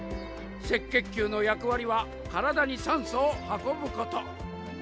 赤血球の役割は体に酸素を運ぶこと。